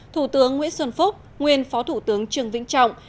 thủ tướng nguyễn xuân phúc nguyên phó thủ tướng trường vĩnh trọng